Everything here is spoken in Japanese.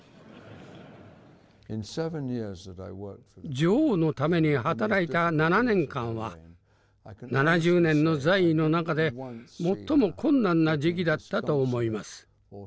女王のために働いた７年間は７０年の在位の中で最も困難な時期だったと思います。